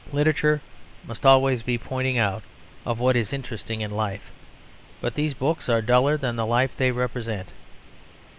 Literature must always be a pointing out of what is interesting in life; but these books are duller than the life they represent.